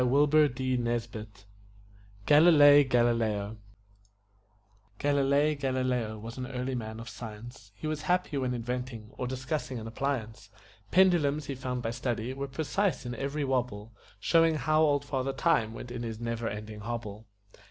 GALILEI GALILEO Galilei Galileo was an early man of science; He was happy when inventing, or discussing an appliance; Pendulums, he found by study, were precise in every wobble Showing how old Father Time went in his never ending hobble.